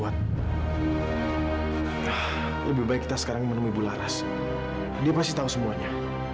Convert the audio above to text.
dia pasti tahu semuanya